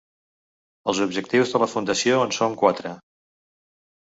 Els objectius de la fundació en són quatre.